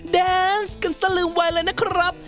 เดนส์กันสะลืมไวนะครับ